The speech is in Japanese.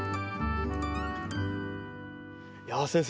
いや先生